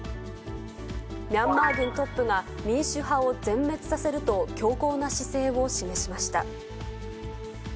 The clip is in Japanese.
ミャンマー軍トップが、民主派を全滅させると強硬な姿勢を示しました。